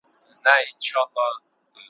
پر ضد علمي سنګر دی